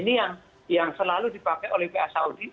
ini yang selalu dipakai oleh pa saudi